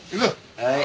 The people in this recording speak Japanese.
はい。